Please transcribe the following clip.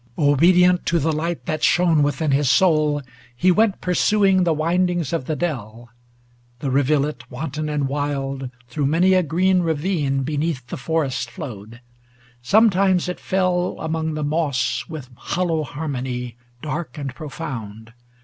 Obedient to the light That shone within his soul, he went, pur suing The windings of the dell. The rivulet, Wanton and wild, through many a green ravine Beneath the forest flowed. Sometimes it fell Among the moss with hollow harmony Dark and profound.